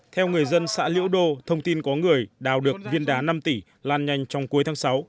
theo người dân xã liễu đô thông tin có người đào được viên đá năm tỷ lan nhanh trong cuối tháng sáu